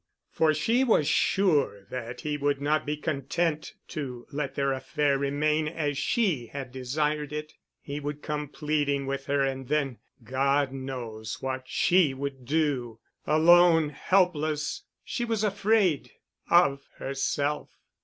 For she was sure that he would not be content to let their affair remain as she had desired it. He would come pleading with her and then—God knows what she would do. Alone, helpless—she was afraid—of herself.